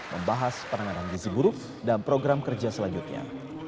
membahas penanganan gizi buruk dan program kerja selanjutnya